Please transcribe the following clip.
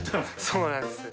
そうなんです。